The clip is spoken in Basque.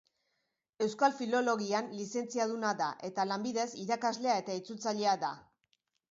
Euskal Filologian lizentziaduna da eta lanbidez irakaslea eta itzultzailea da.